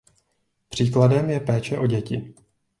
Příkladem je péče o děti.